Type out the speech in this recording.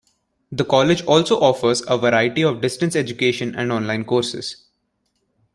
The college also offers a variety of distance education and online courses.